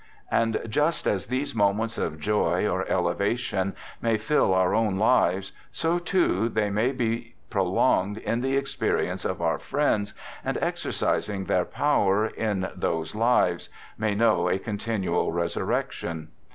... And just as these moments of joy or elevation may fill our own lives, so, too, they may be prolonged in the experience of our friends, and, exercising their power in those lives, may know a continual resurrection.